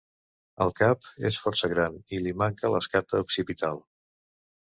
El cap és força gran i li manca l'escata occipital.